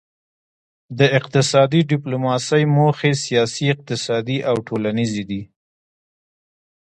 د اقتصادي ډیپلوماسي موخې سیاسي اقتصادي او ټولنیزې دي